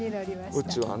うちはね。